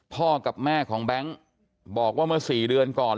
พ่อกับแม่ของแบงค์บอกว่าเมื่อ๔เดือนก่อน